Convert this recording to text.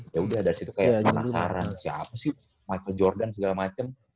yaudah dari situ kayak penasaran siapa sih michael jordan segala macem